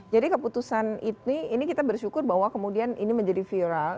keputusan ini ini kita bersyukur bahwa kemudian ini menjadi viral